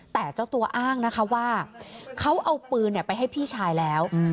แต่เจ้าตัวอ้างนะคะว่าเขาเอาปืนไปให้พี่ชายแล้ว